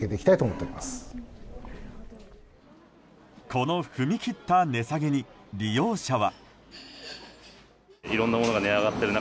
この踏み切った値下げに利用者は。